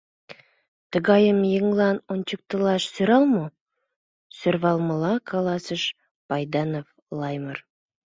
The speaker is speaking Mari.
Тыгайым еҥлан ончыктылаш сӧрал мо? — сӧрвалымыла каласыш Пайданов Лаймыр.